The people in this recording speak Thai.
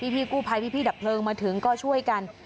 พี่กู้ไพพี่ดับไฟโตคมาถึงก็ช่วยกัน